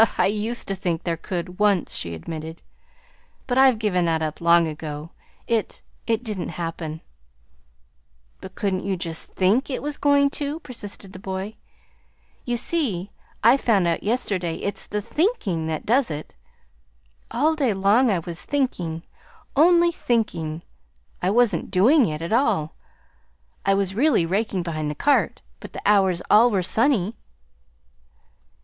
"I used to think there could once," she admitted; "but I've given that up long ago. It it didn't happen." "But couldn't you just THINK it was going to?" persisted the boy. "You see I found out yesterday that it's the THINKING that does it. All day long I was thinking only thinking. I wasn't DOING it, at all. I was really raking behind the cart; but the hours all were sunny."